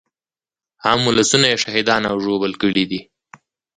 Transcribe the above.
عام ولسونه يې شهیدان او ژوبل کړي دي.